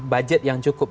budget yang cukup